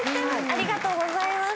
ありがとうございます。